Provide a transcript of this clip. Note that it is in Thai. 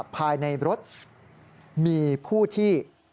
ภายในรถมีผู้ที่